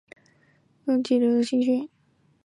鲁道夫对当时的艺术和科学表现出浓厚的兴趣。